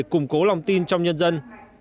củng cố lòng tin trong nhân dân